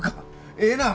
ええなぁ！